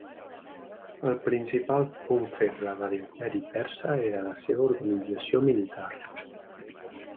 El principal punt feble de l'imperi Persa era la seva organització militar.